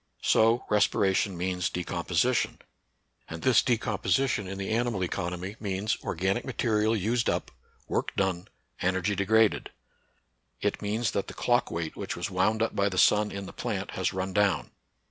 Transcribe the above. So respiration means decomposition ; and this decomposition in the animal economy means organic material used up, work done, energy degraded. It means " that the clock weight which was wound up by the sun in the plant has run down.